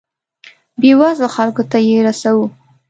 بیوزلو خلکو ته یې رسوو.